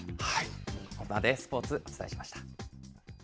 ここまでスポーツ、お伝えしました。